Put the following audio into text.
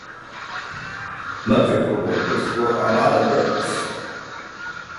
Much of her work was for Armada Books.